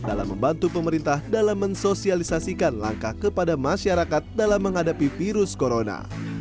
dalam membantu pemerintah dalam mensosialisasikan langkah kepada masyarakat dalam menghadapi virus corona